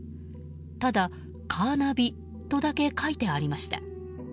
ただ、カーナビとだけ書いてありました。